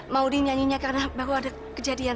maudie nyanyinya karena baru ada kejadian